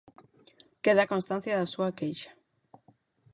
Queda constancia da súa queixa.